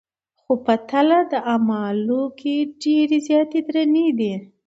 خو په تله د اعمالو کي ډېرې زياتي درنې دي